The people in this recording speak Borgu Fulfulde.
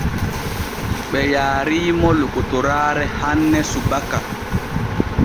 Ɓe yaariimo lokotoraare hanne subaka.